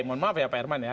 mohon maaf ya pak herman ya